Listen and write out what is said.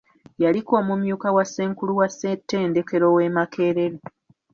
Yaliko omumyuka wa Ssenkulu wa ssettendekero w’e Makerere.